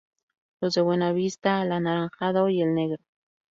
Los de Buenavista el anaranjado y el negro.